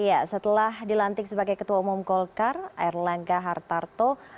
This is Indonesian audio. iya setelah dilantik sebagai ketua umum golkar erlangga hartarto